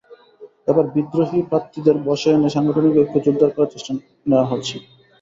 এবার বিদ্রোহী প্রার্থীদের বশে এনে সাংগঠনিক ঐক্য জোরদার করার চেষ্টা নেওয়া হয়েছে।